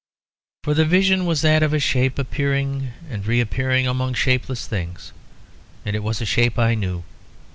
For the vision was that of a shape appearing and reappearing among shapeless things; and it was a shape I knew.